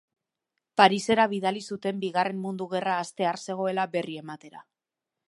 Paris-era bidali zuten Bigarren Mundu Gerra hastear zegoela berri ematera.